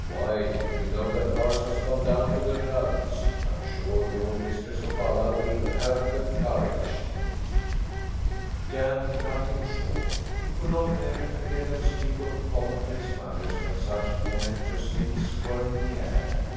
"Why you know that Lars has gone down to the tavern. I'm sure the old mistress of Falla will have the courage " Jan cut him short. He could not bear to hear them speak of commonplace matters when such momentous things were in the air.